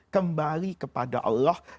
kembali kepada allah